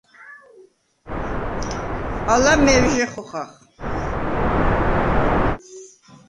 ალა მევჟე ხოხახ.